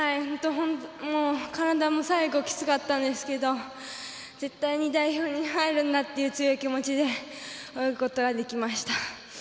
体も最後、きつかったんですけど絶対に代表に入るんだっていう強い気持ちで泳ぐことができました。